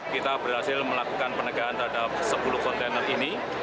kita berhasil melakukan penegahan terhadap sepuluh kontainer ini